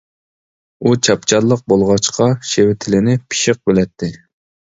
ئۇ چاپچاللىق بولغاچقا، شېۋە تىلىنى پىششىق بىلەتتى.